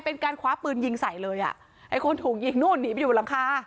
เป็นการคว้าปืนยิงใส่เลยอ่ะไอ้คนถูกยิงนู่นหนีไปอยู่บนหลังคา